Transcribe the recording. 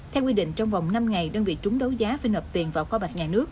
theo quy định trong vòng năm ngày đơn vị trúng đấu giá phải nộp tiền vào kho bạc nhà nước